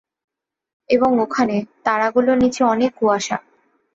এবং ওখানে, তারাগুলোর নিচে অনেক কুয়াশা।